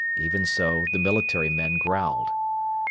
Even so, the military men growled.